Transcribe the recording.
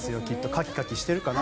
カキカキしてるかな。